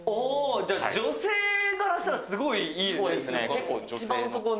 女性からしたらすごい、いいですね。